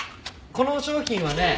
この商品はね